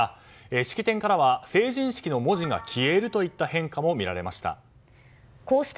式典からは「成人式」の文字が消えるといった変化も見られました。